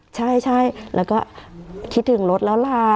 ใช่แล้วก็คิดถึงรถแล้วล่ะ